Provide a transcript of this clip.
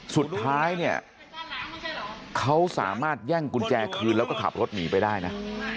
สุดท้ายเนี่ยเขาสามารถแย่งกุญแจคืนแล้วก็ขับรถหนีไปได้นะ